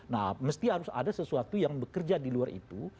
nah mesti harus ada sesuatu yang bekerja di luar itu